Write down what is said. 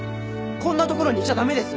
こんなところにいちゃ駄目です！